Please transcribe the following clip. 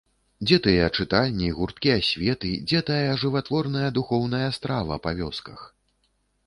Дзе тыя чытальні, гурткі асветы, дзе тая жыватворная духоўная страва па вёсках?